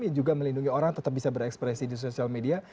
yang juga melindungi orang tetap bisa berekspresi di sosial media